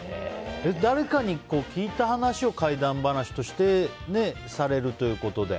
誰かに聞いた話を怪談話としてされるということで。